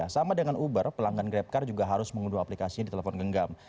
sama dengan uber pelanggan grabcar juga harus mengunduh aplikasinya di telepon genggam